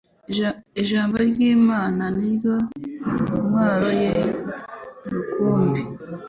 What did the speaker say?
Ijambo ry'Imana ni ryo ntwaro ye rukumbi.